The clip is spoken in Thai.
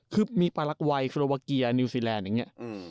คือมีปาลักวัยโคโรวาเกียนิวซีแลนด์อย่างนี้